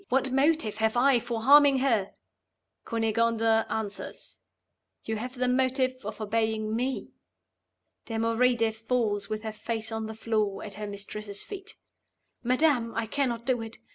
What motive have I for harming her?' Cunegonda answers, 'You have the motive of obeying Me.' (Damoride falls with her face on the floor at her mistress's feet.) 'Madam, I cannot do it!